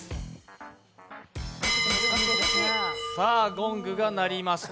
ゴングが鳴りました。